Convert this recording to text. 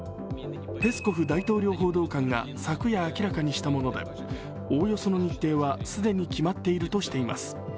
ペスコフ大統領報道官が昨夜明らかにしたものでおおよその日程は既に決まっているとしています。